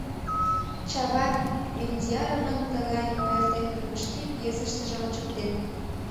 Чавайн Мендияровын тыгай ойыртемжым шке пьесыштыже ончыктен.